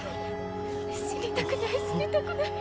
死にたくない死にたくない。